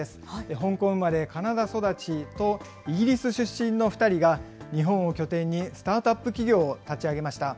香港生まれ、カナダ育ちと、イギリス出身の２人が、日本を拠点にスタートアップ企業を立ち上げました。